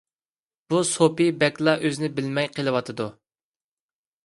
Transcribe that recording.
بۇ سوپى بەكلا ئۆزىنى بىلمەي قېلىۋاتىدۇ.